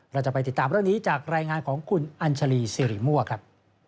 เราจะไปติดตามเรื่องนี้จากรายงานของคุณอัญชาลีสิริมั่วครับ